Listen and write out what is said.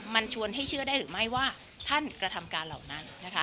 มันชวนให้เชื่อได้หรือไม่ว่าท่านกระทำการเหล่านั้นนะคะ